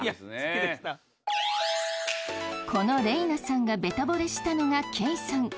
このれいなさんがベタぼれしたのがけいさん。